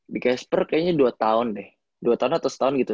di casper kayaknya dua tahun deh dua tahun atau setahun gitu